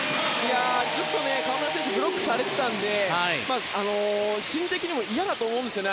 ずっと河村選手ブロックされてたんで嫌だと思うんですね。